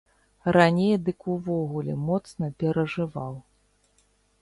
Раней дык увогуле моцна перажываў.